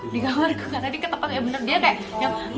di kamarku karena dia ketakutan ya bener dia kayak